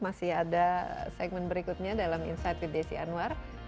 masih ada segmen berikutnya dalam insight with desi anwar